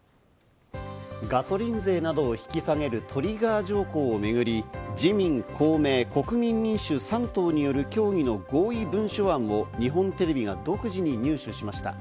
ガソリン税などを引き下げるトリガー条項をめぐり、自民・公明・国民民主３党による協議の合意文書案を日本テレビが独自に入手しました。